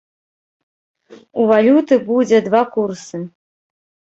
У валюты будзе два курсы.